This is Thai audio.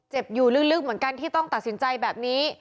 อยู่ลึกเหมือนกันที่ต้องตัดสินใจแบบนี้